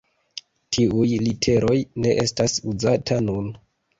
Tiuj literoj ne estas uzata nun.